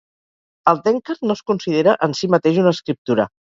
El "Denkard" no es considera en sí mateix una escriptura.